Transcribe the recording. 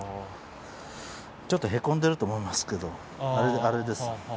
ちょっとへこんでいると思いますけど、あれです。